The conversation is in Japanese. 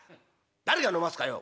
「誰が飲ますかよ」。